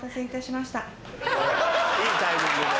いいタイミングで。